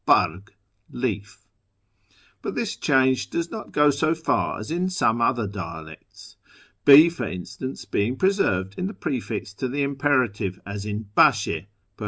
barg, leaf) ; but this change does not go so far as in some other dialects, B for instance, being preserved in the prefix to the imperative, as in Bdshe (Pers.